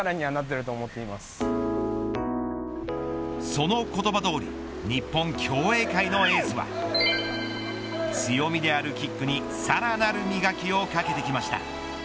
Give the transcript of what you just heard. その言葉通り日本競泳界のエースは強みであるキックにさらなる磨きをかけてきました。